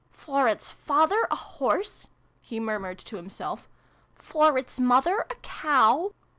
" For its father, a Horse" he murmured to himself. " For its mother, a Cow.